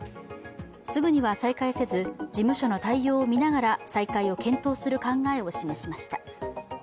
すぐには再開せず、事務所の対応をみながら再開を検討する考えを示しました。